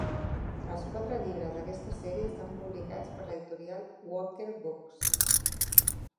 Els quatre llibres d'aquesta sèrie estan publicats per l'editorial Walker Books.